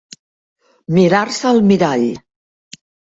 Mirar-se al mirall.